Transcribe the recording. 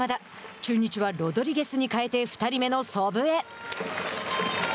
中日はロドリゲスに代えて２人目の祖父江。